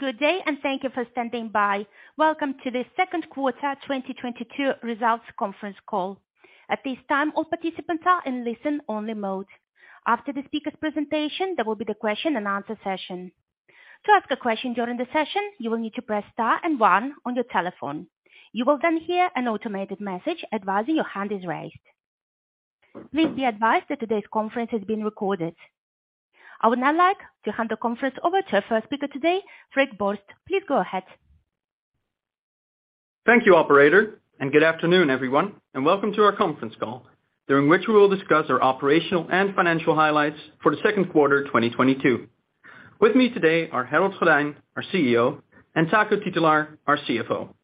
Good day and thank you for standing by. Welcome to the second quarter 2022 results conference call. At this time, all participants are in listen only mode. After the speaker presentation, there will be the question and answer session. To ask a question during the session, you will need to press star and one on your telephone. You will then hear an automated message advising your hand is raised. Please be advised that today's conference is being recorded. I would now like to hand the conference over to our first speaker today, Freek Borst. Please go ahead. Thank you, operator, and good afternoon everyone, and welcome to our conference call, during which we will discuss our operational and financial highlights for the second quarter, 2022. With me today are Harold Goddijn, our CEO, and Taco Titulaer, our CFO.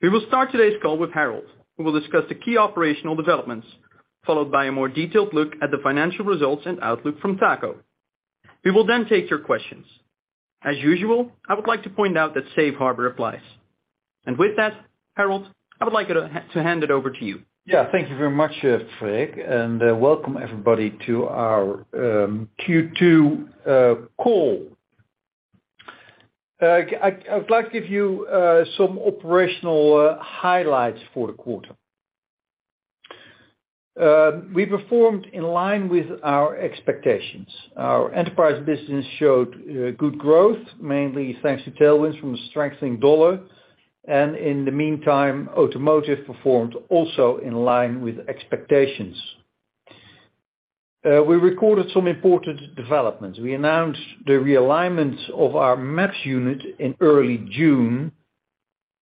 We will start today's call with Harold. We will discuss the key operational developments followed by a more detailed look at the financial results and outlook from Taco. We will then take your questions. As usual, I would like to point out that Safe Harbor applies. With that, Harold, I would like to hand it over to you. Yeah. Thank you very much, Freek, and welcome everybody to our Q2 call. I would like to give you some operational highlights for the quarter. We performed in line with our expectations. Our enterprise business showed good growth, mainly thanks to tailwinds from the strengthening US dollar, and in the meantime, automotive performed also in line with expectations. We recorded some important developments. We announced the realignment of our maps unit in early June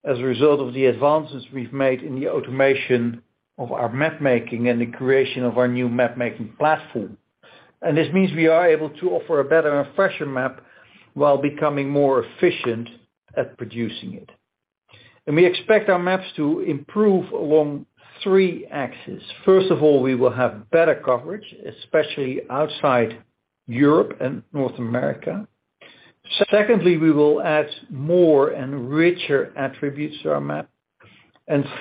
as a result of the advances we've made in the automation of our mapmaking and the creation of our new mapmaking platform. This means we are able to offer a better and fresher map while becoming more efficient at producing it. We expect our maps to improve along three axes. First of all, we will have better coverage, especially outside Europe and North America. Secondly, we will add more and richer attributes to our map.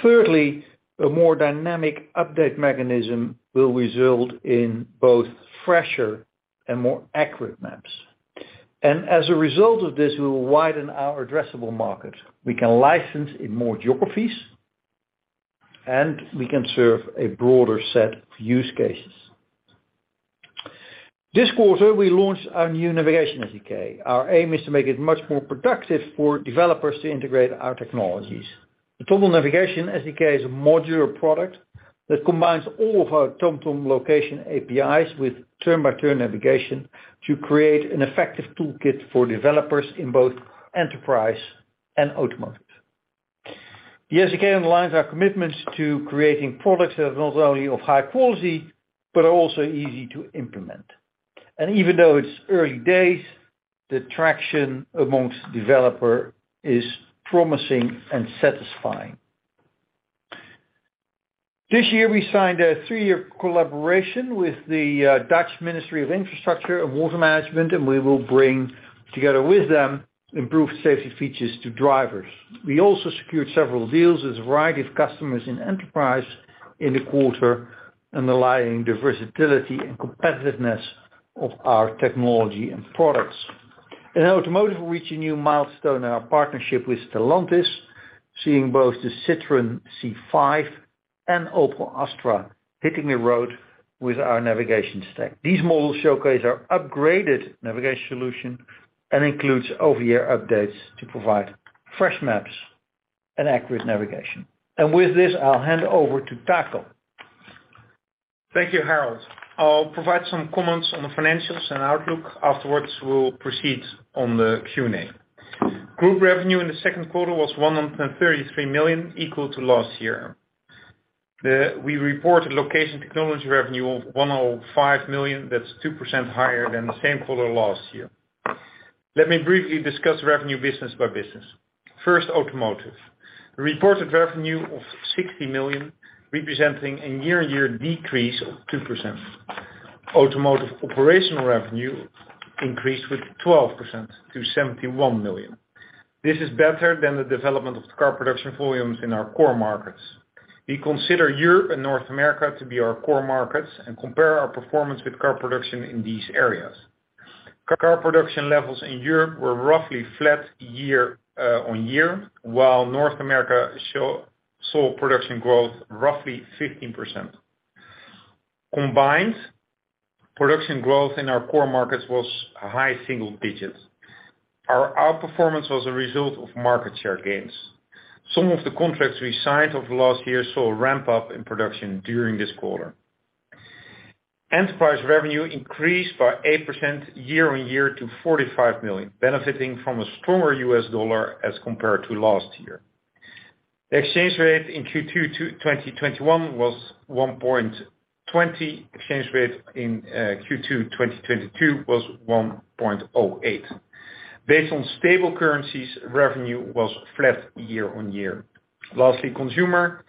Thirdly, a more dynamic update mechanism will result in both fresher and more accurate maps. As a result of this, we will widen our addressable market. We can license in more geographies, and we can serve a broader set of use cases. This quarter, we launched our new Navigation SDK. Our aim is to make it much more productive for developers to integrate our technologies. The TomTom Navigation SDK is a modular product that combines all of our TomTom Location APIs with turn-by-turn navigation to create an effective toolkit for developers in both enterprise and automotive. The SDK aligns our commitments to creating products that are not only of high quality but are also easy to implement. Even though it's early days, the traction among developers is promising and satisfying. This year, we signed a three-year collaboration with the Dutch Ministry of Infrastructure and Water Management, and we will bring, together with them, improved safety features to drivers. We also secured several deals with a variety of customers in enterprise in the quarter, underlying the versatility and competitiveness of our technology and products. In automotive, we reached a new milestone in our partnership with Stellantis, seeing both the Citroën C5 and Opel Astra hitting the road with our navigation stack. These models showcase our upgraded navigation solution and includes over-the-air updates to provide fresh maps and accurate navigation. With this, I'll hand over to Taco. Thank you, Harold. I'll provide some comments on the financials and outlook. Afterwards, we'll proceed on the Q&A. Group revenue in the second quarter was 133 million, equal to last year. Then we reported location technology revenue of 105 million, that's 2% higher than the same quarter last year. Let me briefly discuss revenue business by business. First, automotive. Reported revenue of 60 million, representing a year-on-year decrease of 2%. Automotive operational revenue increased with 12% to 71 million. This is better than the development of car production volumes in our core markets. We consider Europe and North America to be our core markets and compare our performance with car production in these areas. Car production levels in Europe were roughly flat year on year, while North America saw production growth roughly 15%. Combined, production growth in our core markets was high single digits. Our outperformance was a result of market share gains. Some of the contracts we signed over last year saw a ramp up in production during this quarter. Enterprise revenue increased by 8% year-over-year to 45 million, benefiting from a stronger US dollar as compared to last year. The exchange rate in Q2 2021 was 1.20. Exchange rate in Q2 2022 was 1.08. Based on stable currencies, revenue was flat year-over-year. Lastly, consumer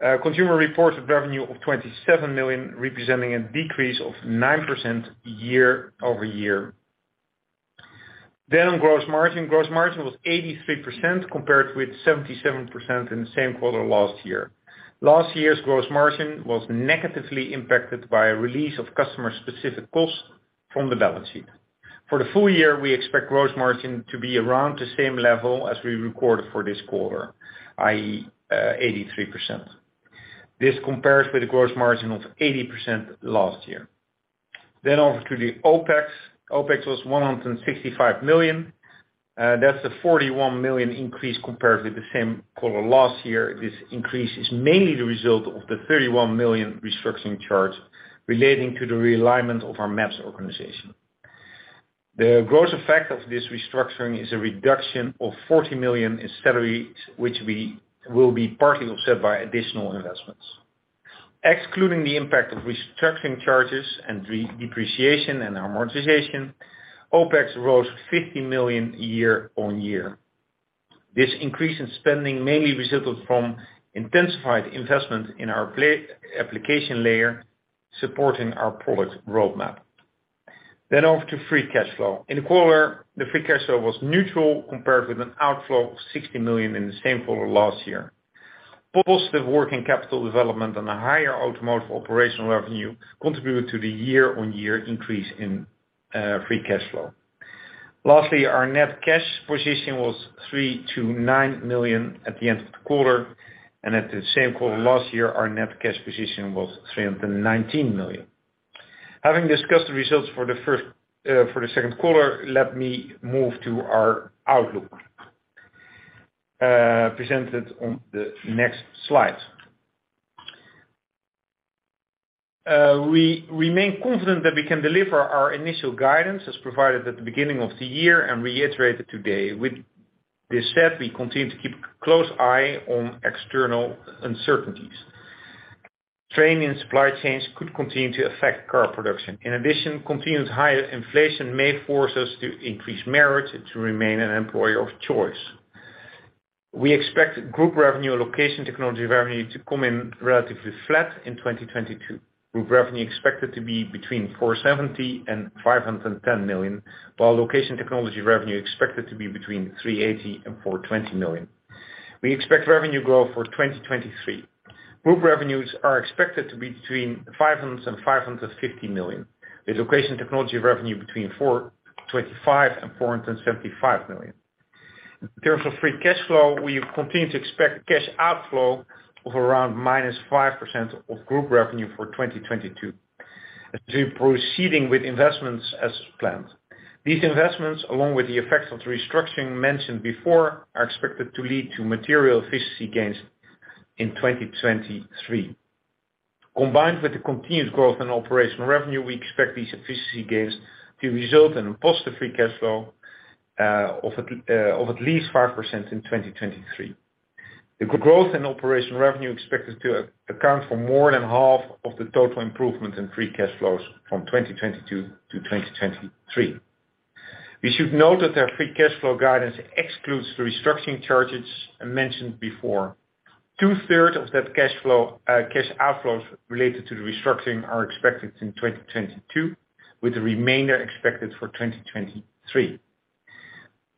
reported revenue of 27 million, representing a decrease of 9% year-over-year. On gross margin. Gross margin was 83% compared with 77% in the same quarter last year. Last year's gross margin was negatively impacted by a release of customer specific costs. From the balance sheet. For the full year, we expect gross margin to be around the same level as we recorded for this quarter, i.e., 83%. This compares with the gross margin of 80% last year. On to the OpEx. OpEx was 165 million, that's a 41 million increase compared with the same quarter last year. This increase is mainly the result of the 31 million restructuring charge relating to the realignment of our maps organization. The gross effect of this restructuring is a reduction of 40 million in salaries, which we will be partly offset by additional investments. Excluding the impact of restructuring charges and depreciation and amortization, OpEx rose 50 million year-on-year. This increase in spending mainly resulted from intensified investment in our application layer, supporting our product roadmap. Off to free cash flow. In the quarter, the free cash flow was neutral compared with an outflow of 60 million in the same quarter last year. Positive working capital development and a higher automotive operational revenue contributed to the year-on-year increase in free cash flow. Lastly, our net cash position was 39 million at the end of the quarter, and at the same quarter last year, our net cash position was 319 million. Having discussed the results for the second quarter, let me move to our outlook presented on the next slide. We remain confident that we can deliver our initial guidance as provided at the beginning of the year and reiterated today. With this said, we continue to keep a close eye on external uncertainties. Straining supply chains could continue to affect car production. In addition, continuous higher inflation may force us to increase merit to remain an employer of choice. We expect group revenue and location technology revenue to come in relatively flat in 2022, with revenue expected to be between 470 million and 510 million, while location technology revenue is expected to be between 380 million and 420 million. We expect revenue growth for 2023. Group revenues are expected to be between 500 million and 550 million, with location technology revenue between 425 million and 475 million. In terms of free cash flow, we continue to expect cash outflow of around -5% of group revenue for 2022 as we're proceeding with investments as planned. These investments, along with the effects of the restructuring mentioned before, are expected to lead to material efficiency gains in 2023. Combined with the continuous growth in operational revenue, we expect these efficiency gains to result in a positive free cash flow of at least 5% in 2023. The growth in operational revenue expected to account for more than half of the total improvement in free cash flows from 2022 to 2023. We should note that our free cash flow guidance excludes the restructuring charges I mentioned before. Two-thirds of that cash flow, cash outflows related to the restructuring are expected in 2022, with the remainder expected for 2023.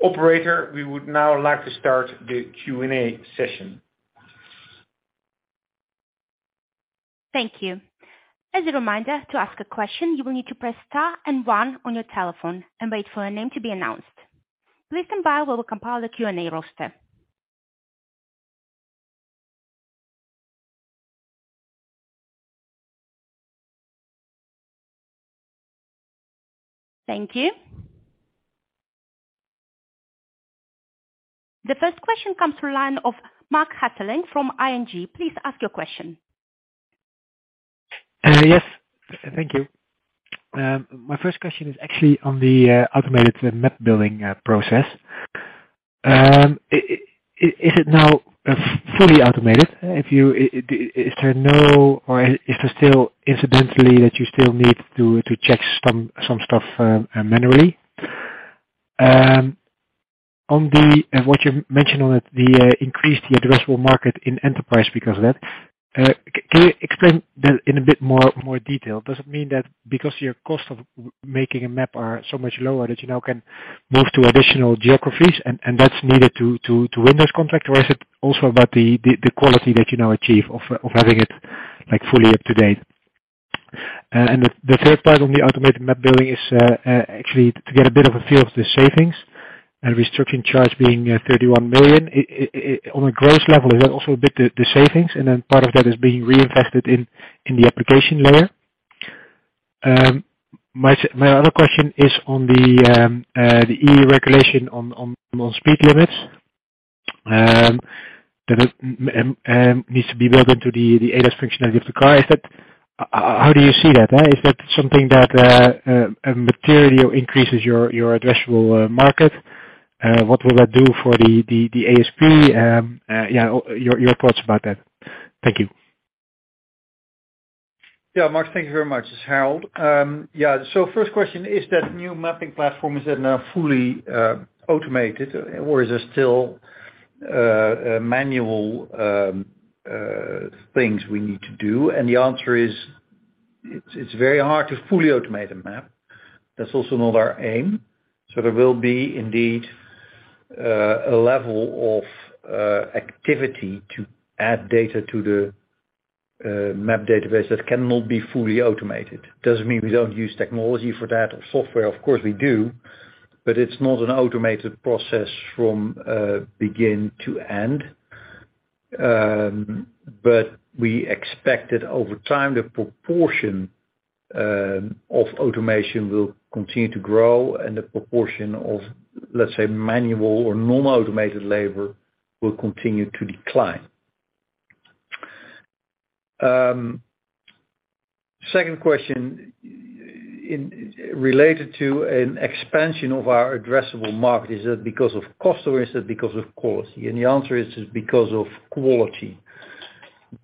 Operator, we would now like to start the Q&A session. Thank you. As a reminder, to ask a question, you will need to press star and one on your telephone and wait for your name to be announced. Please stand by while we compile the Q&A roster. Thank you. The first question comes from the line of Marc Hesselink from ING. Please ask your question. Yes. Thank you. My first question is actually on the automated map building process. Is it now fully automated? Is there no or is there still incidentally that you still need to check some stuff manually? What you mentioned on it, the increase in the addressable market in enterprise because of that, can you explain that in a bit more detail? Does it mean that because your cost of making a map are so much lower that you now can move to additional geographies and that's needed to win this contract? Or is it also about the quality that you now achieve of having it, like, fully up to date? The third part on the automated map building is actually to get a bit of a feel of the savings and restructuring charge being 31 million. On a gross level, is that also a bit the savings and then part of that is being reinvested in the application layer? My other question is on the EU regulation on speed limits that needs to be built into the ADAS functionality of the car. How do you see that? Is that something that materially increases your addressable market? What will that do for the ASP? Your thoughts about that. Thank you. Yeah, Marc, thank you very much. It's Harold Goddijn. First question, is that new mapping platform now fully automated or is there still manual things we need to do? The answer is it's very hard to fully automate a map. That's also not our aim. There will be indeed a level of activity to add data to the Map database that cannot be fully automated. Doesn't mean we don't use technology for that or software. Of course we do. It's not an automated process from begin to end. We expect that over time, the proportion of automation will continue to grow and the proportion of, let's say, manual or normal automated labor will continue to decline. Second question related to an expansion of our addressable market. Is that because of cost or is it because of quality? The answer is because of quality.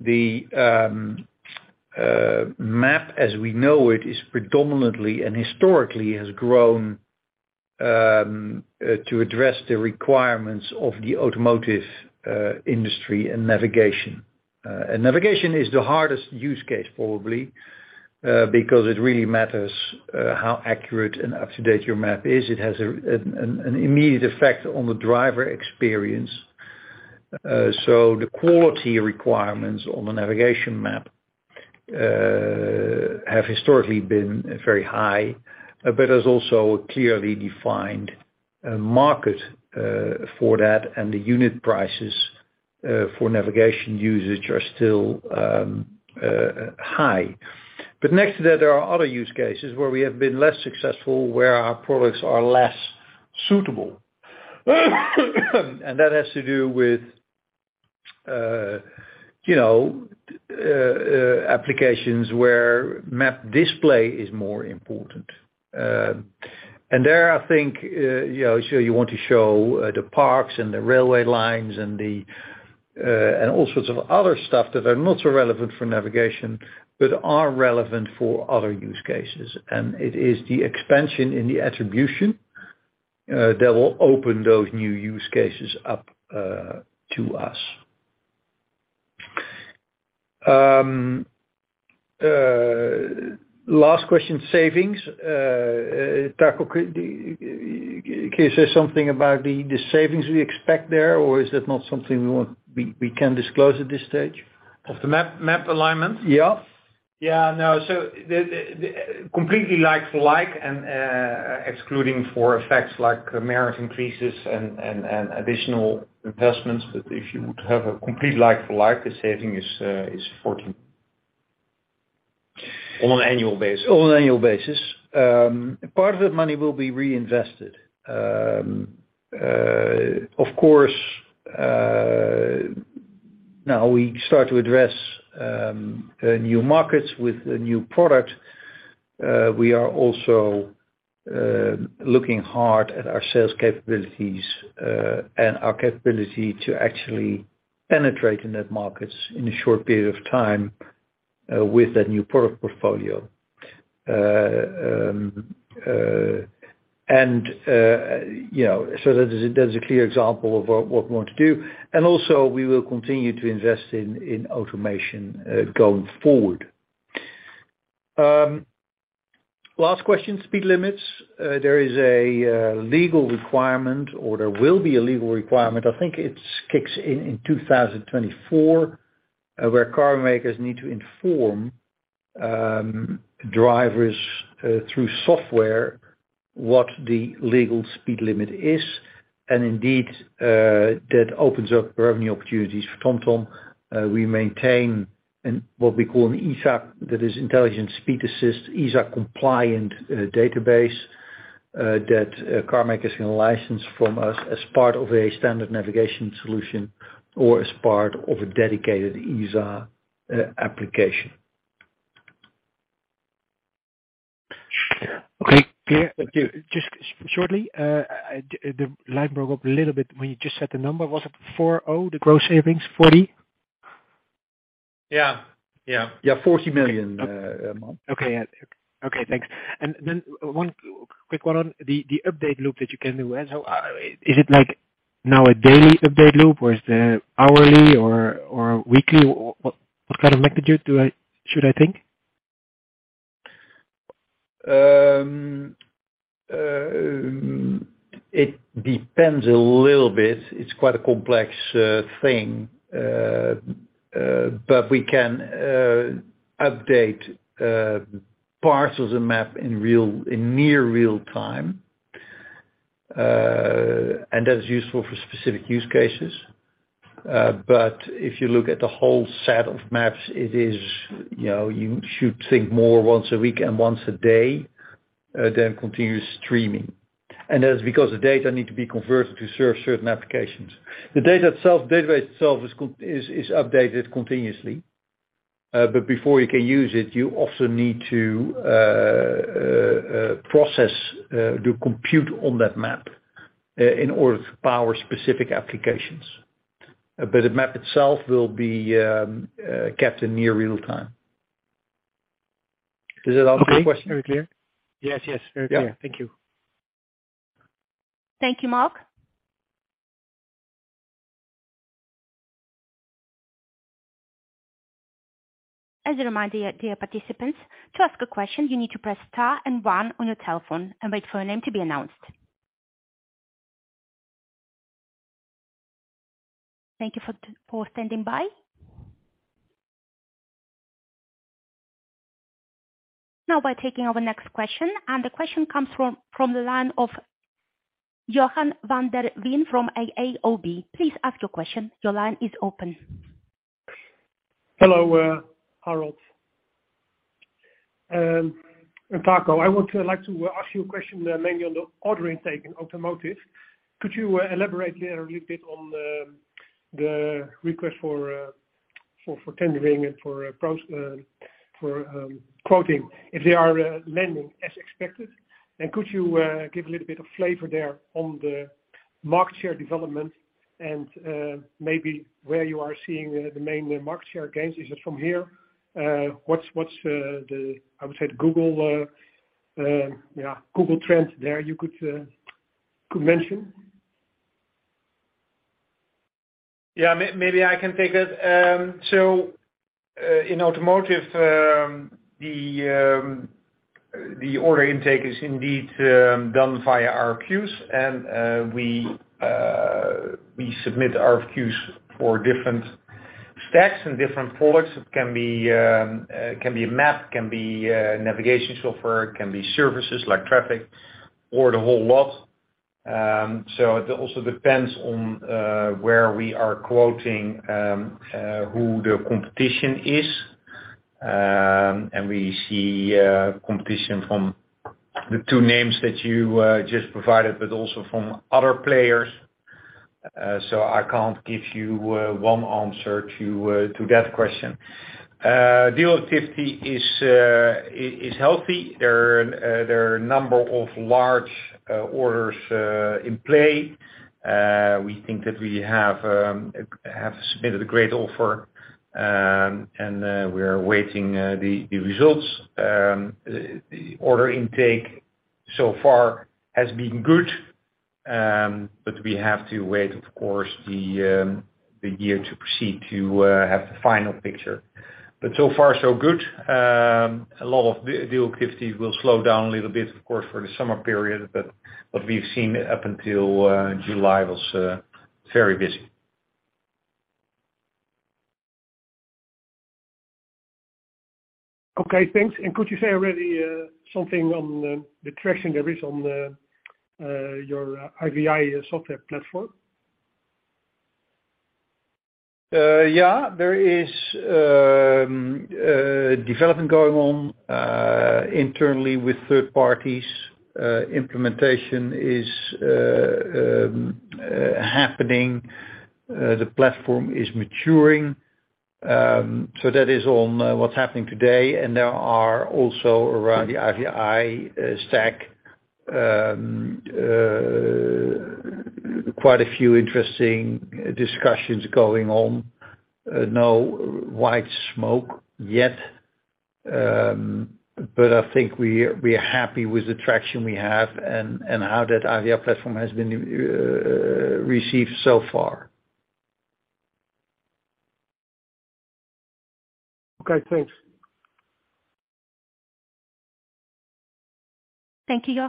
The map as we know it is predominantly and historically has grown to address the requirements of the automotive industry and navigation. Navigation is the hardest use case, probably, because it really matters how accurate and up-to-date your map is. It has an immediate effect on the driver experience. The quality requirements on the navigation map have historically been very high, but there's also a clearly defined market for that, and the unit prices for navigation usage are still high. Next to that, there are other use cases where we have been less successful, where our products are less suitable. That has to do with you know applications where map display is more important. There, I think, you know, so you want to show the parks and the railway lines and all sorts of other stuff that are not so relevant for navigation, but are relevant for other use cases. It is the expansion in the attribution that will open those new use cases up to us. Last question, savings. Taco, can you say something about the savings we expect there, or is that not something we can disclose at this stage? Of the map alignment? Yeah. Yeah. No. The completely like for like, and excluding forex effects like merit increases and additional investments. But if you would have a complete like for like, the saving is 14. On an annual basis? On an annual basis. Part of that money will be reinvested. Of course, now we start to address new markets with a new product. We are also looking hard at our sales capabilities and our capability to actually penetrate in that markets in a short period of time with that new product portfolio. you know, that is, that's a clear example of what we want to do. Also we will continue to invest in automation going forward. Last question, speed limits. There is a legal requirement or there will be a legal requirement, I think it's kicks in 2024, where car makers need to inform drivers through software what the legal speed limit is. Indeed, that opens up revenue opportunities for TomTom. We maintain what we call an ISA, that is Intelligent Speed Assist, ISA compliant database that car makers can license from us as part of a standard navigation solution or as part of a dedicated ISA application. Okay. Thank you. Just shortly, the line broke up a little bit when you just said the number. Was it 40, the gross savings, 40? Yeah. Yeah, 40 million, Marc. Okay. Yeah. Okay, thanks. Then one quick one on the update loop that you can do. So, is it like now a daily update loop or is it hourly or weekly? What kind of magnitude should I think? It depends a little bit. It's quite a complex thing. We can update parcels and map in near real time. That's useful for specific use cases. If you look at the whole set of maps, it is, you know, you should think more once a week and once a day than continuous streaming. That's because the data need to be converted to serve certain applications. The data itself, database itself is updated continuously. Before you can use it, you also need to process do compute on that map in order to power specific applications. The map itself will be kept in near real time. Does that answer your question? Okay. Very clear. Yes. Very clear. Yeah. Thank you. Thank you, Marc. As a reminder, dear participants, to ask a question, you need to press star and one on your telephone and wait for your name to be announced. Thank you for standing by. Now we're taking our next question, and the question comes from the line of Johan van der Veen from ABN AMRO – ODDO BHF. Please ask your question. Your line is open. Hello, Harold and Taco. I like to ask you a question, mainly on the order intake in automotive. Could you elaborate there a little bit on the request for tendering and for quoting, if they are landing as expected? Could you give a little bit of flavor there on the market share development and maybe where you are seeing the main market share gains? Is it from HERE? What's the Google trend there you could mention? Yeah. Maybe I can take that. In automotive, the order intake is indeed done via RFQs and we submit RFQs for different stacks and different products. It can be a map, can be navigation software, can be services like traffic or the whole lot. It also depends on where we are quoting, who the competition is. We see competition from the two names that you just provided, but also from other players. I can't give you one answer to that question. Deal activity is healthy. There are a number of large orders in play. We think that we have submitted a great offer, and we are awaiting the results. The order intake so far has been good, but we have to wait, of course, the year to proceed to have the final picture. So far, so good. A lot of the deal activity will slow down a little bit, of course, for the summer period, but what we've seen up until July was very busy. Okay. Thanks. Could you say already, something on the traction there is on your IVI software platform? Yeah. There is development going on internally with third parties. Implementation is happening. The platform is maturing. That is on what's happening today. There are also around the IVI stack quite a few interesting discussions going on. No white smoke yet. I think we are happy with the traction we have and how that IVI platform has been received so far. Okay. Thanks. Thank you,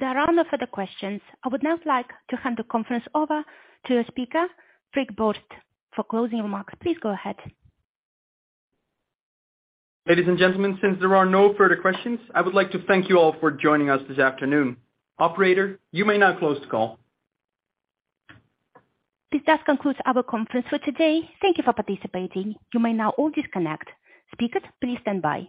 Johan. There are no further questions. I would now like to hand the conference over to your speaker, Freek Borst, for closing remarks. Please go ahead. Ladies and gentlemen, since there are no further questions, I would like to thank you all for joining us this afternoon. Operator, you may now close the call. This does conclude our conference for today. Thank you for participating. You may now all disconnect. Speakers, please stand by.